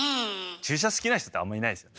注射好きな人ってあんまいないですよね。